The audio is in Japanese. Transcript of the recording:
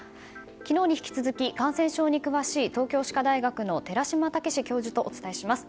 昨日に引き続き、感染症に詳しい東京歯科大学の寺嶋毅教授とお伝えします。